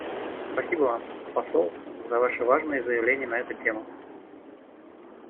Спасибо Вам, посол, за Ваше важное заявление на эту тему.